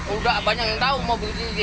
udah banyak yang tahu mobil tinggi